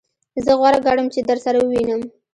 زه غوره ګڼم چی درسره ووینم.